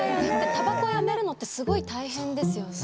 タバコやめるのってすごい大変ですよね。